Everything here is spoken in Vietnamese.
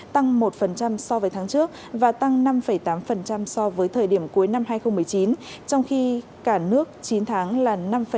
tăng một so với tháng trước và tăng năm tám so với thời điểm cuối năm hai nghìn một mươi chín trong khi cả nước chín tháng là năm